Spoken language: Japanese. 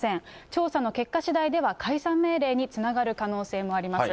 調査の結果しだいでは、解散命令につながる可能性もあります。